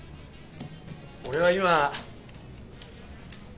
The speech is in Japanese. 俺は今。